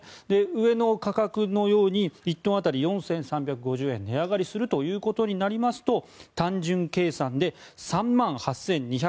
上の価格のように１トン当たり４３５０円値上がりするということになりますと単純計算で３万８２８０円